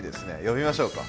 呼びましょうか。